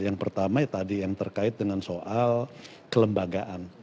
yang pertama ya tadi yang terkait dengan soal kelembagaan